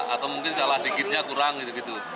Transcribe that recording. atau mungkin salah dikitnya kurang gitu gitu